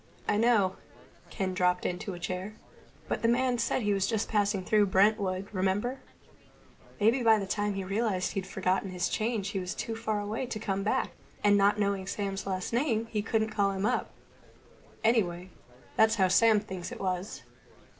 "I know." Ken dropped into a chair. "But the man said he was just passing through Brentwood, remember? Maybe by the time he realized he'd forgotten his change he was too far away to come back, and not knowing Sam's last name couldn't call him up. Anyway, that's how Sam thinks it was.